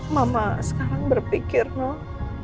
mama sekarang berpikir noh